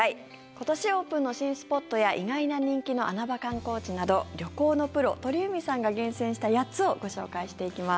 今年オープンの新スポットや意外な人気の穴場観光地など旅行のプロ、鳥海さんが厳選した８つをご紹介していきます。